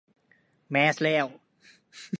แมสแล้ว